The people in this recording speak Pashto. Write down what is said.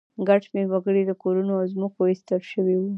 ګڼ شمېر وګړي له کورونو او ځمکو ایستل شوي وو